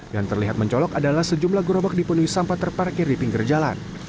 yang terlihat mencolok adalah sejumlah gerobak dipenuhi sampah terparkir di pinggir jalan